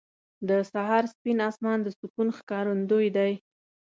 • د سهار سپین اسمان د سکون ښکارندوی دی.